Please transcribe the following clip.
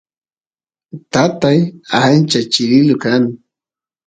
tatay ancha chirilu kan